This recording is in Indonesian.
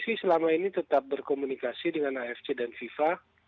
psi selama ini tetap berkomunikasi dengan afc dan fifa